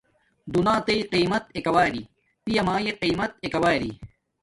دونیاتݵݵ قیمت اکاوری پیا مایے قیمت اکاوری